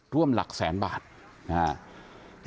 ร่วมหลักแสดง